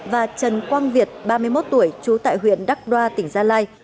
và trần quang việt ba mươi một tuổi chú tại huyện đắk đoa tỉnh gia lai